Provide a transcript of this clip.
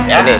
ya di sini